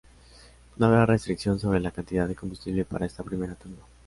No habrá restricción sobre la cantidad de combustible para esta primera tanda.